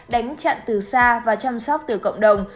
đánh chặn từ xa và chăm sóc từ cộng đồng